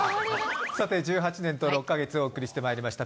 １８年と６か月お送りしてきました